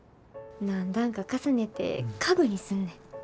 何段か重ねて家具にすんねん。